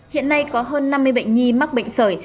hiện nay có hơn năm mươi bệnh nhi mắc bệnh sởi